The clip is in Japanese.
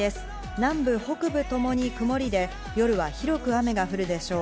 南部、北部ともに曇りで、夜は広く雨が降るでしょう。